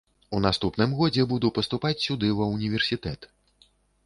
У наступным годзе буду паступаць сюды ва ўніверсітэт.